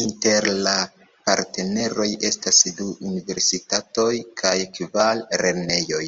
Inter la partneroj estas du universitatoj kaj kvar lernejoj.